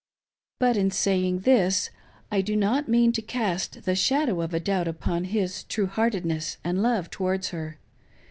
But in saying this I do not mean to cast the shadow of a doubt upon his true heartedness and love towards her.